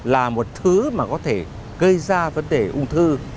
là một thứ mà có thể gây ra vấn đề ung thư